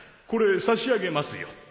これ差し上げますよ